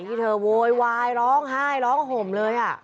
ที่เธอโวยวายร้องไห้ร้องห่มเลย